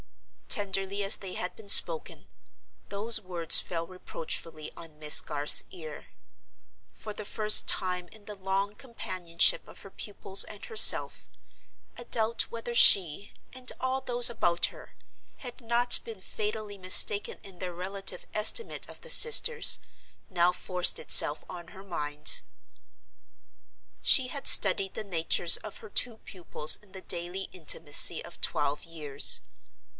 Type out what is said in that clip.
Tenderly as they had been spoken, those words fell reproachfully on Miss Garth's ear. For the first time in the long companionship of her pupils and herself a doubt whether she, and all those about her, had not been fatally mistaken in their relative estimate of the sisters, now forced itself on her mind. She had studied the natures of her two pupils in the daily intimacy of twelve years.